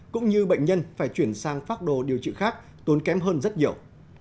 cũng như bệnh nhân phải chuyển sang phác đồ điều trị khác tốn kém hơn rất nhiều